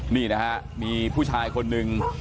นี่นะฮะมีผู้ชายคนหนึ่ง